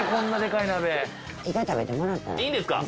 いいんですか？